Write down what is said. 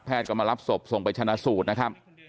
ก็มารับศพส่งไปชนะสูตรนะครับ